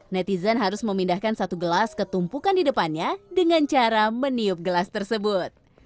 netizen harus memindahkan satu gelas ke tumpukan di depannya dengan cara meniup gelas tersebut